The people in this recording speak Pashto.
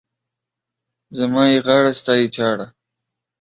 زما يې غاړه، ستا يې چاړه.